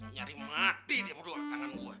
nyari mati dia berdua tangan buat